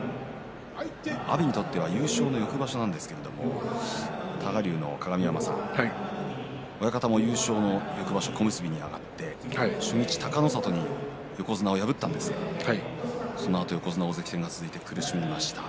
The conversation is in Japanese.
阿炎にとっては優勝の翌場所ですけれど多賀竜の鏡山さん親方も優勝の翌場所小結に上がって初日隆の里に横綱を破ったんですけれどそのあと横綱大関戦が続いて苦しみました。